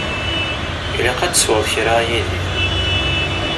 Ilaq ad tesweḍ kra a Yidir.